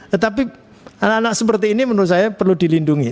tetapi anak anak seperti ini menurut saya perlu dilindungi